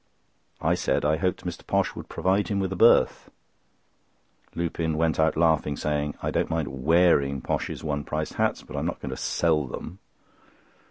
I said I hoped Mr. Posh would provide him with a berth. Lupin went out laughing, saying: "I don't mind wearing Posh's one priced hats, but I am not going to sell them."